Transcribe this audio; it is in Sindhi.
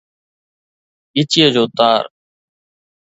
ڳچيءَ جو تار